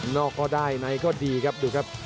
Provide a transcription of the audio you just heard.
อกก็ได้ในก็ดีครับดูครับ